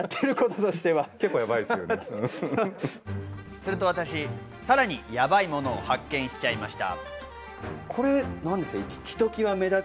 すると私、さらにやばいものを発見しちゃいました。